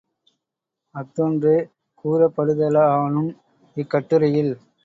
அஃதொன்றே கூறப்படுதலானும், இக் கட்டுரையில்